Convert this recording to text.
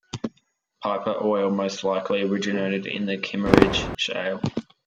Piper oil most likely originated in the Kimmeridge Shale.